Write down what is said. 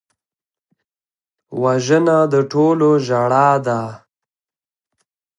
وژنه د ټولو ژړا ده